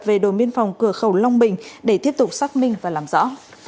về đồ miên phòng cửa khẩu long bình để tiếp tục xác minh và làm rõ